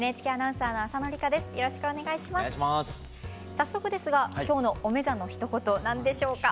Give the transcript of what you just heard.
早速ですが今日の「おめざ」のひと言何でしょうか？